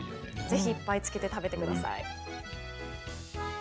ぜひいっぱいつけて食べてください。